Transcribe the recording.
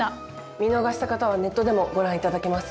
見逃した方はネットでもご覧頂けます。